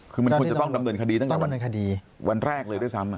คือมันควรจะต้องดำเนินคดีตั้งแต่วันคดีวันแรกเลยด้วยซ้ำ